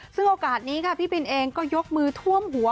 ซึ่งโอกาสนี้ค่ะพี่บินเองก็ยกมือท่วมหัว